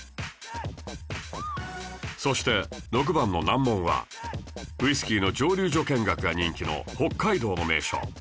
そして６番の難問はウイスキーの蒸溜所見学が人気の北海道の名所